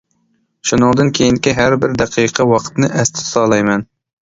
شۇنىڭدىن كېيىنكى ھەر بىر دەقىقە ۋاقىتنى ئەستە تۇتالايمەن.